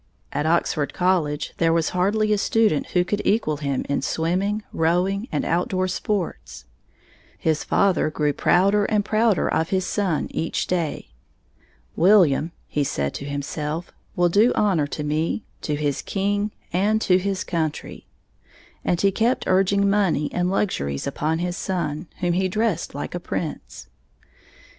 At Oxford College there was hardly a student who could equal him in swimming, rowing, and outdoor sports. His father grew prouder and prouder of his son each day. "William," he said to himself, "will do honor to me, to his king, and to his country." And he kept urging money and luxuries upon his son, whom he dressed like a prince.